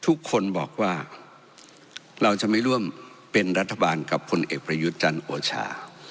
ทุกคนบอกว่าเราจะไม่ร่วมเป็นรัฐบาลกับพลเอกประยุทธ์จันทร์โอชา